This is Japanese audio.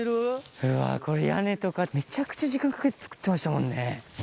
うわー、これ屋根とかめちゃくちゃ時間かけて作ってましたもんね。